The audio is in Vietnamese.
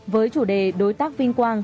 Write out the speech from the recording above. với chủ đề đối tác vinh quang